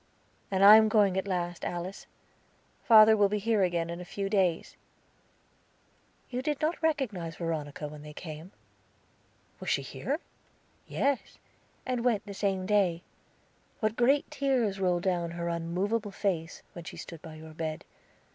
"And I am going at last, Alice; father will be here again in a few days." "You did not recognize Veronica, when they came." "Was she here?" "Yes, and went the same day. What great tears rolled down her unmovable face, when she stood by your bed!